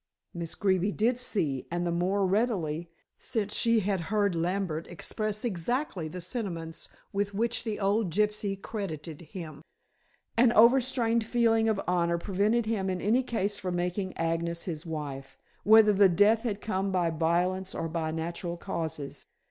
Miss Greeby did see, and the more readily, since she had heard Lambert express exactly the sentiments with which the old gypsy credited him. An overstrained feeling of honor prevented him in any case from making Agnes his wife, whether the death had come by violence or by natural causes.